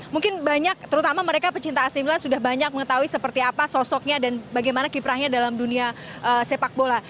mungkin banyak terutama mereka pecinta asi milan sudah banyak mengetahui seperti apa sosoknya dan bagaimana kiprahnya dalam dunia sepak bola